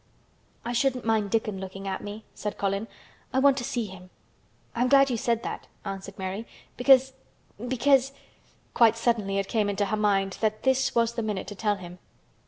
"I shouldn't mind Dickon looking at me," said Colin; "I want to see him." "I'm glad you said that," answered Mary, "because—because—" Quite suddenly it came into her mind that this was the minute to tell him.